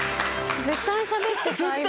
絶対しゃべってた今。